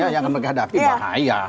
yang mereka hadapi bahaya